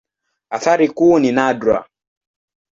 Athari kuu ni nadra.